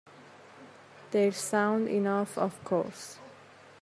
They're sound enough, of course.